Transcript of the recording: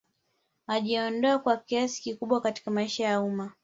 Alijiondoa kwa kiasi kikubwa katika maisha ya umma